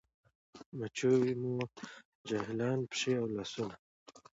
مچوي مو جاهلان پښې او لاسونه